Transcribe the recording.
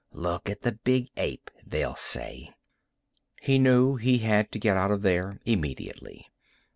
Look at the big ape, they'll say._ He knew he had to get out of there immediately.